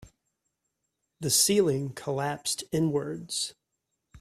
The ceiling collapsed inwards.